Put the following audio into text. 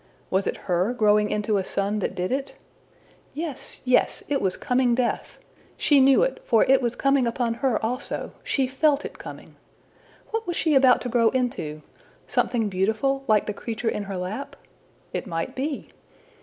Was it her growing into a sun that did it? Yes! yes! it was coming death! She knew it, for it was coming upon her also! She felt it coming! What was she about to grow into? Something beautiful, like the creature in her lap? It might be!